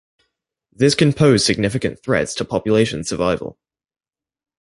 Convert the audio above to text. This can pose significant threats to population survival.